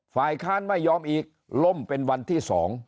ฝ่ายค้านไม่ยอมอีกล่มเป็นวันที่๒